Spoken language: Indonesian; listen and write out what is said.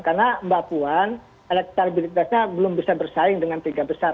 karena mbak puan elektribitasnya belum bisa bersaing dengan tiga besar